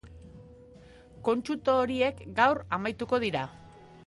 Kontsulta horiek gaur amaituko dira.